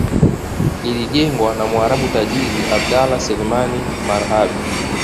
Lilijengwa na mwarabu tajiri Abdallah Selemani Marhabi